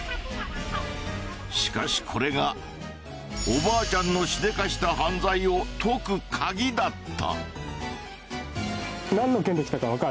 しかしこれがおばあちゃんのしでかした犯罪を解くカギだった。